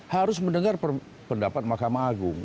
harus mendengar pendapat mahkamah agung